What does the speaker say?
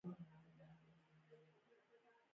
هغه هغې ته د نازک دریا ګلان ډالۍ هم کړل.